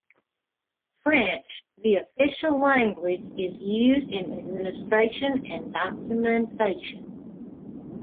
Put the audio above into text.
French, the official language, is used in administration and documentation.